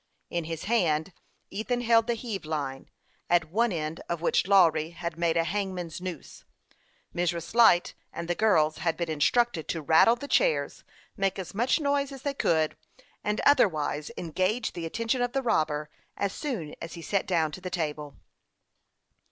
In his hand Ethan held the heave line, at one end of which Lawry had made a hangman's noose. Mrs. Light and the girls had been instructed to rattle the chairs, make as much noise as they could, 'and otherwise engage the attention of the , robber, as soon as he sat down to the table.